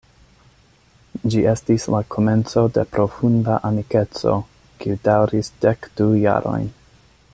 Ĝi estis la komenco de profunda amikeco kiu daŭris dek du jarojn.